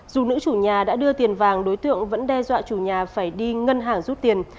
dù nữ chủ nhà đã đưa tiền vàng đối tượng vẫn đe dọa chủ nhà phải đi ngân hàng rút tiền